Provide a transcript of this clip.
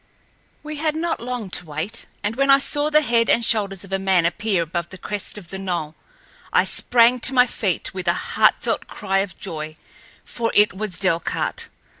We had not long to wait, and when I saw the head and shoulders of a man appear above the crest of the knoll, I sprang to my feet, with a heartfelt cry of joy, for it was Delcarte.